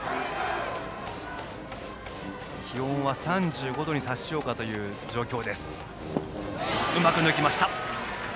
気温は３５度に達しようかという状況。